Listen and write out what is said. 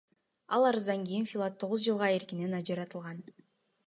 Ал арыздан кийин Филат тогуз жылга эркинен ажыратылган.